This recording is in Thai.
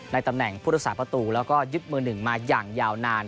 ตำแหน่งผู้รักษาประตูแล้วก็ยึดมือหนึ่งมาอย่างยาวนาน